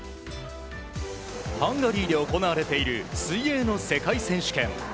ハンガリーで行われている水泳の世界選手権。